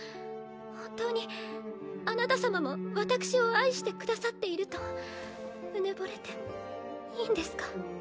本当にあなた様も私を愛してくださっているとうぬぼれていいんですか？